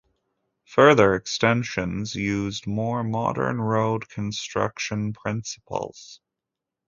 Further extensions used more modern road construction principles.